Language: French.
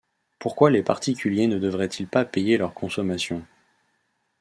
Pourquoi les particuliers ne devraient-ils pas payer leur consommation ?